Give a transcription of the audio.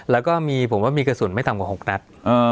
แล้วก็มีผมว่ามีกระสุนไม่ต่ำกว่า๖นัด